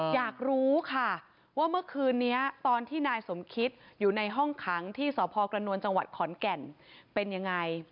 อยากรู้ค่ะว่าเมื่อคืนนี้ตอนที่นายสมคิดอยู่ในห้องขังที่สพกระนวลจังหวัดขอนแก่นเป็นยังไง